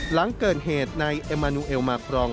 หลังเกิดเหตุในเอมานูเอลมากรอง